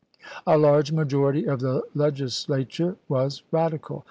A large majority of the Legislature was Radical.